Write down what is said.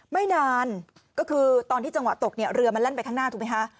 ไม่นานก็คือตอนที่จังหวะตกเนี่ยเรือมันแล่นไปข้างหน้าถูกไหมคะ